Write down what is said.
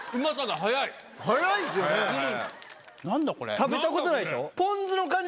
食べたことないでしょ？